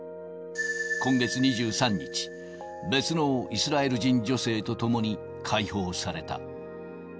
今月２３日、別のイスラエル人女性とともに解放された。